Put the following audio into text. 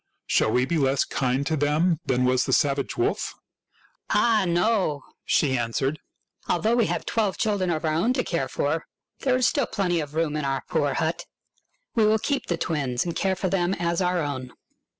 Shall we be less kind to them than was the savage wolf ?"" Ah, no !" she answered. " Although we have twelve children of our own to care for, there is still plenty of room in our poor hut. We will keep the twins and care for them as our own."